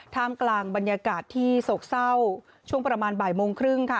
ท่ามกลางบรรยากาศที่โศกเศร้าช่วงประมาณบ่ายโมงครึ่งค่ะ